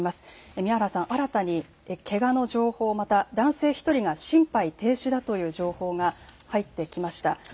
宮原さん、新たにけがの情報、また男性１人が心肺停止だという情報が入ってきました。